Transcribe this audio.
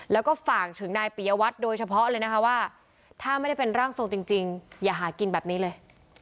แล้วก็ฝากถึงนายปียวัตรโดยเฉพาะเลยนะคะว่าถ้าไม่ได้เป็นร่างทรงจริงอย่าหากินแบบนี้เลย